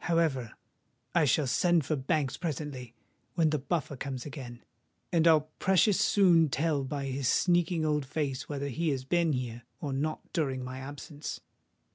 However, I shall send for Banks presently, when the Buffer comes again; and I'll precious soon tell by his sneaking old face whether he has been here, or not, during my absence!"